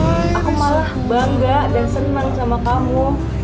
aku malah bangga dan senang sama kamu